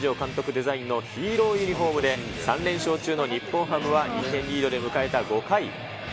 デザインのヒーローユニホームで３連勝中の日本ハムは、１点リードで迎えた５回。